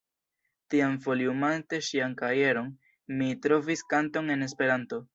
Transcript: Tiam foliumante ŝian kajeron, mi trovis kanton en Esperanto.